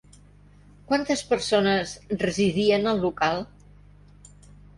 Quantes persones residien al local?